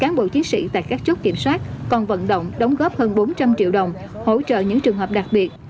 các cán bộ chiến sĩ tại các chốt kiểm soát còn vận động đóng góp hơn bốn trăm linh triệu đồng hỗ trợ những trường hợp đặc biệt